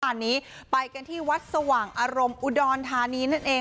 อันนี้ไปกันที่วัดสว่างอารมณ์อุดรธานีนั่นเอง